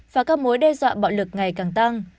và các mối đe dọa bạo lực ngày càng tăng